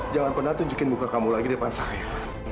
jangan pernah tunjukin muka kamu lagi depan saya